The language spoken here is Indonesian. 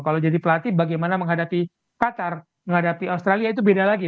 kalau jadi pelatih bagaimana menghadapi qatar menghadapi australia itu beda lagi